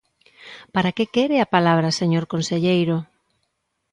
¿Para que quere a palabra, señor conselleiro?